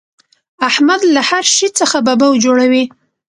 احمد له هر شي څخه ببو جوړوي.